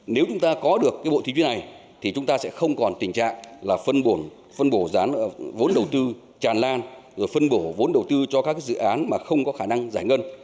nếu chúng ta có được bộ tiêu chí này thì chúng ta sẽ không còn tình trạng là phân bổ vốn đầu tư tràn lan rồi phân bổ vốn đầu tư cho các dự án mà không có khả năng giải ngân